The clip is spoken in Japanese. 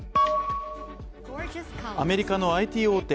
アメリカのＩＴ大手